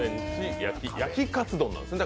焼きかつ丼なんですね。